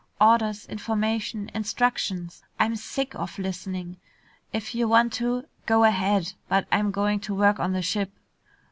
Orders, information, instructions! I'm sick of listening. If you want to, go ahead, but I'm going to work on the ship!"